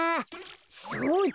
そうだ。